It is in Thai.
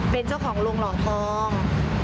เป็นเจ้าของโรงหล่อทอง